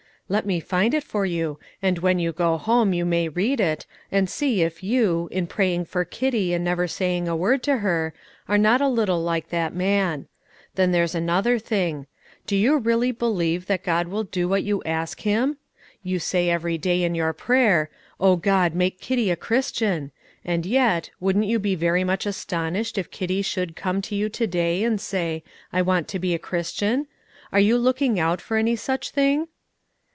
"Let me find it for you, and when you go home you may read it, and see if you, in praying for Kitty and never saying a word to her, are not a little like that man. Then there's another thing. Do you really believe that God will do what you ask Him? You say every day in your prayer, 'O God, make Kitty a Christian;' and yet, wouldn't you be very much astonished if Kitty should come to you to day, and say, 'I want to be a Christian!' Are you looking out for any such thing?"